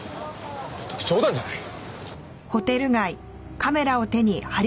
まったく冗談じゃない！